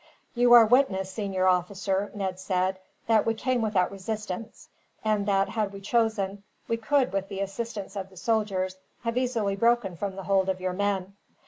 "You are witness, senor officer," Ned said, "that we came without resistance; and that, had we chosen, we could, with the assistance of the soldiers, have easily broken from the hold of your men.